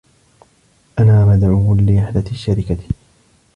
أنا مدعوّ لرحلة الشّركة.